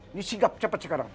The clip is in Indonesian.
ini singgah cepat sekarang